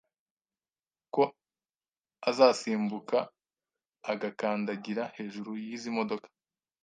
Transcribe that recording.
ko azasimbuka agakandagira hejuru y’izi modoka,